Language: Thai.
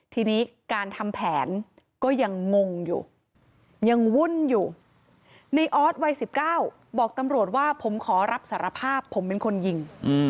ทีนี้การทำแผนก็ยังงงอยู่ยังวุ่นอยู่ในออสวัย๑๙บอกตำรวจว่าผมขอรับสารภาพผมเป็นคนยิง